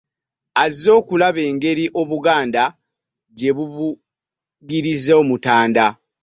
Azze okulaba engeri obuganda gye bubugirizaamu omutanda